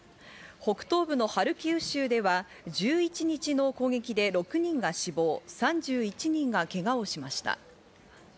北東部のハルキウ州では１１日の攻撃で６人が死亡、３１人がけがをしました。